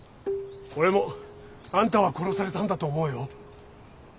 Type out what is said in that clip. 俺もあんたは殺されたんだと思うよ。